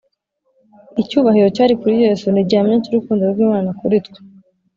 Icyubahiro cyari kuri Yesu ni igihamya cy’urukundo rw’Imana kuri twe.